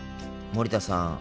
森田さん